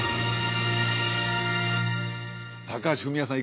高橋文哉さん